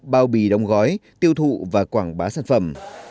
bao bì đông gói tiêu thụ và quảng bá sản phẩm